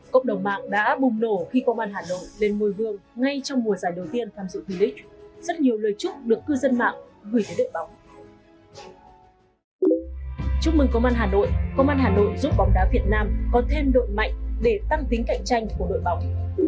chúc mừng công an hà nội công an hà nội giúp bóng đá việt nam còn thêm đội mạnh để tăng tính cạnh tranh của đội bóng